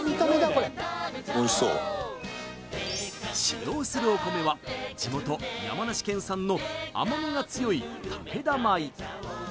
これおいしそう使用するお米は地元山梨県産の甘みが強い武田米